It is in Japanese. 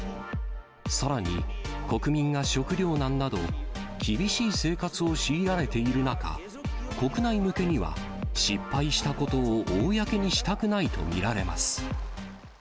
さらに、国民が食糧難など、厳しい生活を強いられている中、国内向けには、失敗したことを公にしたくないと見られます。